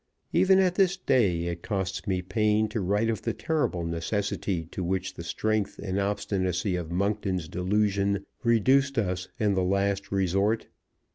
Even at this day it costs me pain to write of the terrible necessity to which the strength and obstinacy of Monkton's delusion reduced us in the last resort.